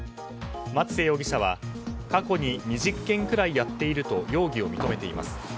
松瀬容疑者は過去に２０件くらいやっていると容疑を認めています。